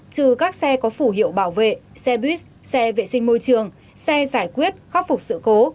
trừ các xe có phủ hiệu bảo vệ xe buýt xe vệ sinh môi trường xe giải quyết khắc phục sự cố